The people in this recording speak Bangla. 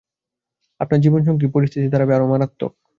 আপনার জীবনসঙ্গী যদি বিষয়টি টের পান, তাহলে পরিস্থিতি দাঁড়াবে আরও মারাত্মক।